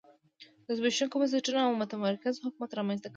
د زبېښونکو بنسټونو او متمرکز حکومت رامنځته کول و